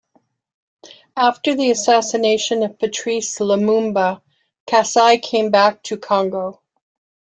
After the assassination of Patrice Lumumba, Kasai came back to Congo.